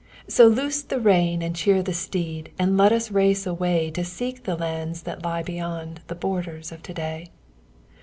So loose the rein and cheer the steed and let us race away To seek the lands that lie beyond the borders of To day.